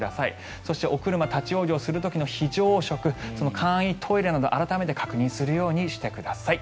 そしてお車が立ち往生する際非常食、簡易トイレなどを改めて確認するようにしてください。